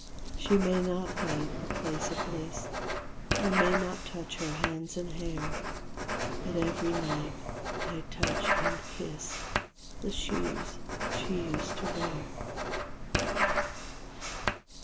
She may not leave the place of faliss, I may not touch her hands and hair, But every night I touch and kiss The shoes sbc used to wear.